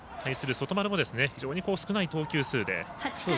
外丸も非常に少ない投球数で。